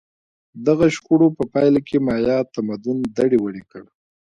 دغو شخړو په پایله کې مایا تمدن دړې وړې کړ